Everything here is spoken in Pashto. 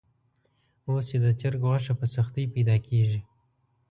اوس چې د چرګ غوښه په سختۍ پیدا کېږي.